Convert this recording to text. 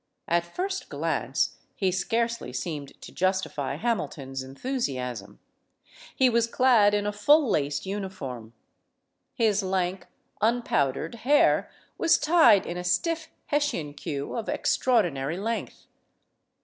At first glance, he scarcely seemed to justify Hamilton's enthusiasm. He was clad in a full laced uniform. His lank, unpowdered hair was tied in a stiff Hessian queue of extraordinary length.